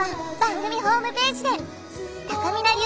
たかみな流